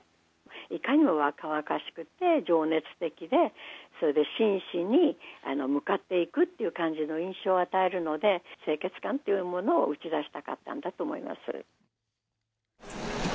いかにも若々しくて、情熱的でそれで真摯に向かっていくっていう感じの印象を与えるので、清潔感というものを打ち出したかったんだと思います。